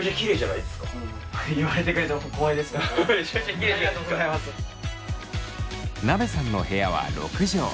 なべさんの部屋は６畳。